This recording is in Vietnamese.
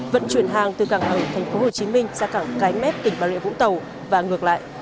vận chuyển hàng từ cảng hải tp hcm ra cảng cái mép tỉnh bà rịa vũng tàu và ngược lại